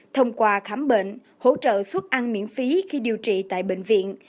thông qua khám bệnh hỗ trợ xuất ăn miễn phí khi điều trị tại bệnh viện